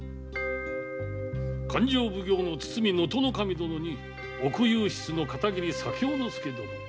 勘定奉行の堤能登守殿に奥右筆の片桐左京亮殿。